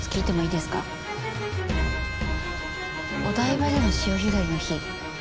お台場での潮干狩りの日